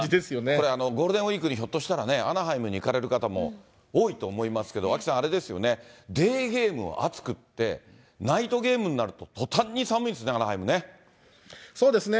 これ、ゴールデンウィークにひょっとしたらね、アナハイムに行かれる方も多いと思いますけど、アキさん、あれですよね、デーゲームは暑くて、ナイトゲームになるととたんに寒いんですね、そうですね。